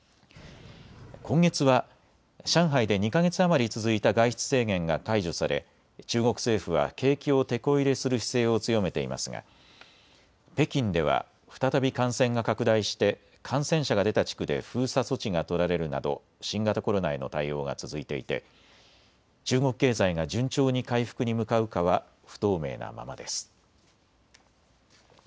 今月は上海で２か月余り続いた外出制限が解除され中国政府は景気をてこ入れする姿勢を強めていますが北京では再び感染が拡大して感染者が出た地区で封鎖措置が取られるなど新型コロナへの対応が続いていて中国経済が順調に回復に向かうかは不透明なままです。